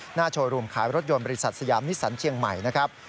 โชว์รูมขายรถยนต์บริษัทสยามนิสันเชียงใหม่นะครับ